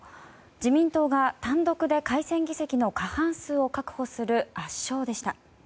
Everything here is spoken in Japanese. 自民党が単独で改選議席の過半数を確保する圧勝でした。